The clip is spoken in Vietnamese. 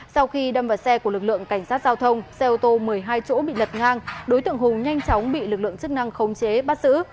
sau khi đâm vào xe của lực lượng cảnh sát giao thông xe ô tô một mươi hai chỗ bị lật ngang đối tượng hùng nhanh chóng bị lực lượng chức năng khống chế bắt giữ